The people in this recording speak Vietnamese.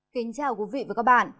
kính chào quý vị và các bạn